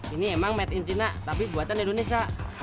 ini emang made in cina tapi buatan indonesia